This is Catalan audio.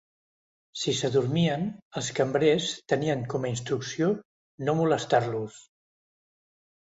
Si s'adormien, els cambrers tenien com a instrucció no molestar-los.